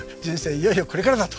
いよいよこれからだと。